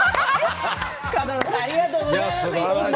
角野さんありがとうございます。